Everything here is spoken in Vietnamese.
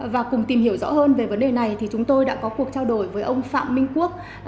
và cùng tìm hiểu rõ hơn về vấn đề này thì chúng tôi đã có cuộc trao đổi với ông phạm minh quốc